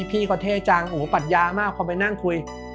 พี่เขาเท่จังโอ้ปัญญามากพอไปนั่งคุย